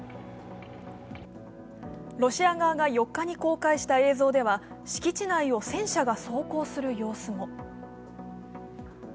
ロシア側が４日に公開した映像では敷地内を戦車が走行する様子も。